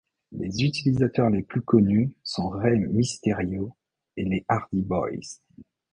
Les utilisateurs les plus connus sont Rey Mysterio et les Hardy Boyz.